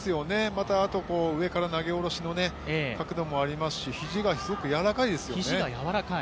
また上から投げ下ろしの角度もありますし肘がすごくやわらかいですよね。